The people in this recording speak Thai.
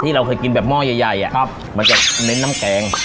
ที่เราเคยกินแบบหม้อใหญ่ใหญ่อ่ะครับมันจะเน้นน้ำแกง